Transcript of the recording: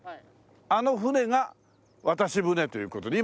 あの船が渡し船という事で。